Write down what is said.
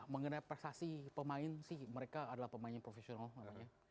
mengenai prestasi pemain mereka adalah pemain yang profesional